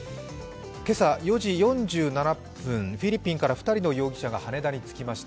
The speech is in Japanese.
今朝４時４７分、フィリピンから２人の容疑者が羽田に着きました。